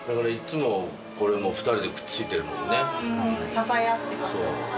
支え合ってます。